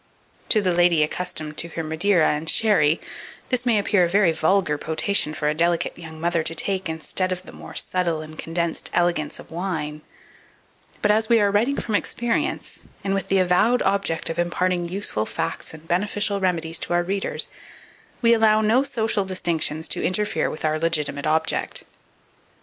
To the lady accustomed to her Madeira and sherry, this may appear a very vulgar potation for a delicate young mother to take instead of the more subtle and condensed elegance of wine; but as we are writing from experience, and with the avowed object of imparting useful facts and beneficial remedies to our readers, we allow no social distinctions to interfere with our legitimate object.